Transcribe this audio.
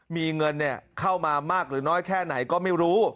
มีเงินเข้ามามากหรือน้อยแค่ไหนก็ไม่รู้